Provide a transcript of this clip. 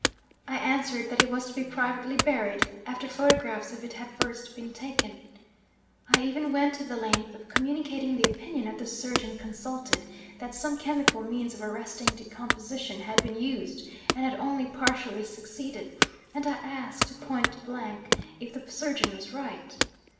I answered that it was to be privately buried, after photographs of it had first been taken. I even went the length of communicating the opinion of the surgeon consulted, that some chemical means of arresting decomposition had been used and had only partially succeeded and I asked her point blank if the surgeon was right?